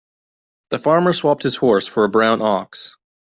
The farmer swapped his horse for a brown ox.